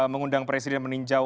mengundang presiden meninjau